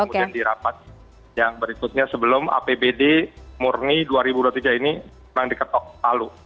kemudian di rapat yang berikutnya sebelum apbd murni dua ribu dua puluh tiga ini memang diketok palu